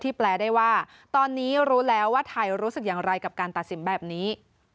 แปลได้ว่าตอนนี้รู้แล้วว่าไทยรู้สึกอย่างไรกับการตัดสินแบบนี้